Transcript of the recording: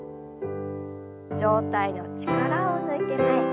上体の力を抜いて前。